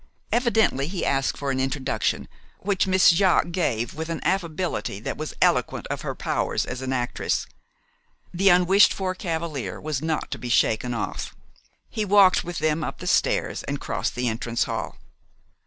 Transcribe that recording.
Evidently, he asked for an introduction, which Miss Jaques gave with an affability that was eloquent of her powers as an actress. The unwished for cavalier was not to be shaken off. He walked with them up the stairs and crossed the entrance hall.